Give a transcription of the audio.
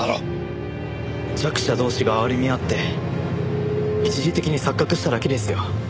弱者同士が哀れみ合って一時的に錯覚しただけですよ。